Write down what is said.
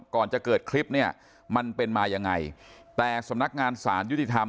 ก่อนจะเกิดคลิปเนี่ยมันเป็นมายังไงแต่สำนักงานสารยุติธรรม